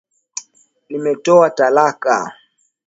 nimetoa talaka